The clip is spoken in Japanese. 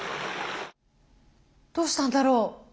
どうしたんだろう？